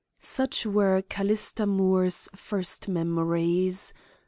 "Such were Callista Moore's first memories.